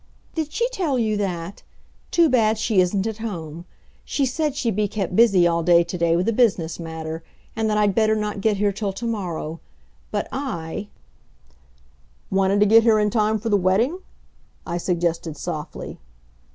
"Did she tell you that? Too bad she isn't at home! She said she'd be kept busy all day to day with a business matter, and that I'd better not get here till to morrow. But I " "Wanted to get here in time for the wedding?" I suggested softly.